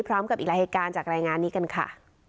พร้อมกับอีกหลายเหตุการณ์จากรายงานนี้กันค่ะ